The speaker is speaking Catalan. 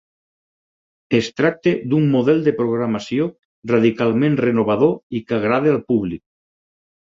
Es tracta d'un model de programació radicalment renovador i que agrada al públic.